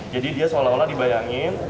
jadi dia seolah olah dibayangin